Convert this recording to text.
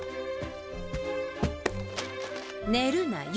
寝るなよ。